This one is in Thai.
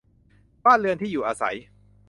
บ้านเรือนที่อยู่อาศัย